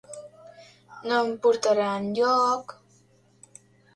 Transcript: No em portarà enlloc..